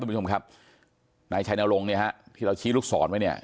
คุณผู้ชมครับนายชัยนรงค์เนี่ยฮะที่เราชี้ลูกศรไว้เนี่ย